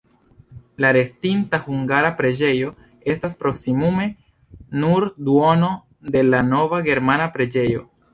La restinta hungara preĝejo estas proksimume nur duono de la nova germana preĝejo.